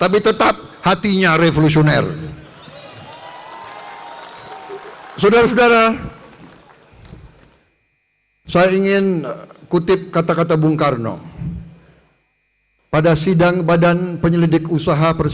makana si bi untuk hidup